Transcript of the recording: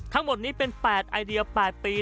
ทั้งหมดนี้เป็น๘ไอเดีย๘ปี